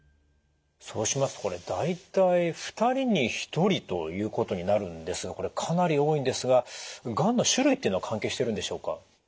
そうしますとこれ大体２人に１人ということになるんですがこれかなり多いんですががんの種類っていうのは関係してるんでしょうか？